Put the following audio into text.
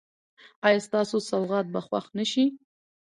ایا ستاسو سوغات به خوښ نه شي؟